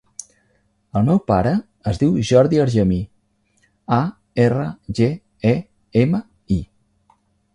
El meu pare es diu Jordi Argemi: a, erra, ge, e, ema, i.